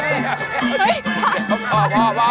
เป็นไงผิวเปล่า